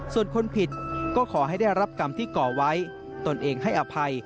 ส่วนคนผิดก็ขอให้ได้รับกรรมที่ก่อไว้ตนเองให้อภัย